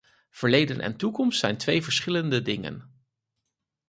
Verleden en toekomst zijn twee verschillende dingen.